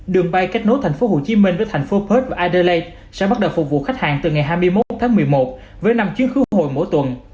đường bay kết nối thành phố hồ chí minh với thành phố perth và adelaide sẽ bắt đầu phục vụ khách hàng từ ngày hai mươi một tháng một mươi một với năm chuyến khứ hội mỗi tuần